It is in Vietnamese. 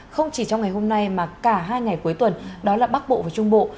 không chỉ trong ngày hôm nay mà cả hai ngày cuối tuần đó là bắc bộ và trung bộ